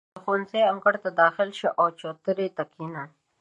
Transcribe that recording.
• د ښوونځي انګړ ته داخل شه، او چوترې ته کښېنه.